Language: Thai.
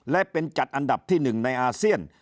และเป็นจัดอันดับที่๑ในอาเซียน